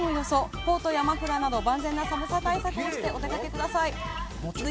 コートやマフラーなど寒さ対策をしっかりしてお出かけください。